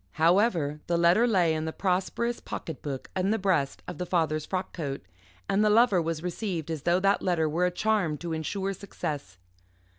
However, the letter lay in the prosperous pocket book in the breast of the father's frock coat, and the Lover was received as though that letter were a charm to ensure success.